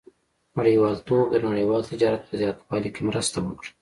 • نړیوالتوب د نړیوال تجارت په زیاتوالي کې مرسته وکړه.